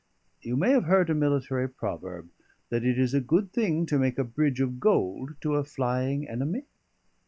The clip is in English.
You may have heard a military proverb: that it is a good thing to make a bridge of gold to a flying enemy?